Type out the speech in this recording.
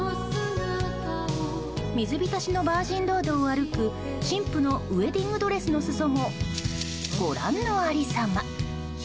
水浸しのバージンロードを歩く新婦のウェディングドレスの裾もご覧のありさま。